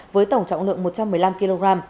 với tổng trọng lượng một trăm một mươi năm kg